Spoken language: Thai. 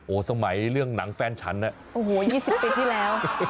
สมัยเรื่องหนังแฟนฉันน่ะโอ้โห๒๐ปีที่แล้ว